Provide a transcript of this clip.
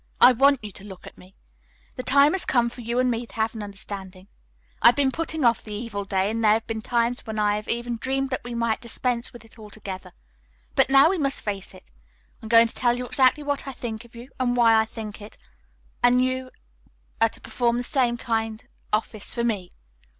"I want you to look at me. The time has come for you and me to have an understanding. I've been putting off the evil day, and there have been times when I have even dreamed that we might dispense with it altogether. But now we must face it. I am going to tell you exactly what I think of you and why I think it, and you are going to perform the same kind office for me.